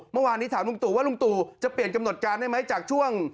เมื่อวานนี้ถามลุงตู่ว่าลุงตู่จะเปลี่ยนกำหนดการได้ไหมจากช่วง